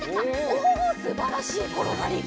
おおすばらしいころがり！